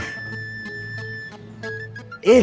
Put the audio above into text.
ikhlas itu bukannya pasrah